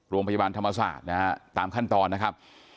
โรงพยาบาลธรรมศาสตร์นะฮะตามขั้นตอนนะครับ